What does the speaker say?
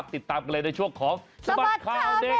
ติดตามกันเลยในช่วงของสบัดข่าวเด็ก